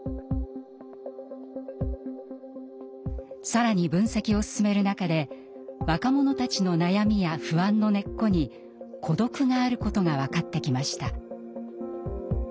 更に分析を進める中で若者たちの悩みや不安の根っこに孤独があることが分かってきました。